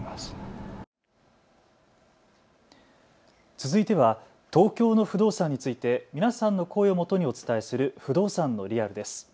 続いては東京の不動産について皆さんの声をもとにお伝えする不動産のリアルです。